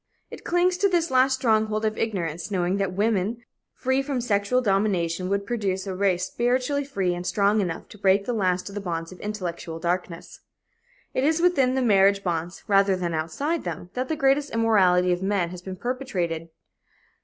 It clings to this last stronghold of ignorance, knowing that woman free from sexual domination would produce a race spiritually free and strong enough to break the last of the bonds of intellectual darkness. It is within the marriage bonds, rather than outside them, that the greatest immorality of men has been perpetrated.